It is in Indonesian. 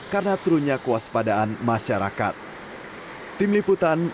karena turunnya kuas pasangan